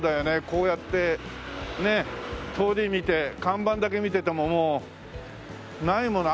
こうやってねえ通り見て看板だけ見ててももうないもの